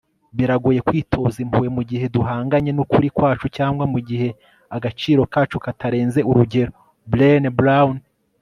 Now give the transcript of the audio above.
biragoye kwitoza impuhwe mugihe duhanganye nukuri kwacu cyangwa mugihe agaciro kacu katarenze urugero. - brene brown